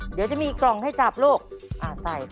เดี๋ยวจะมีกล่องให้จับลูกใส่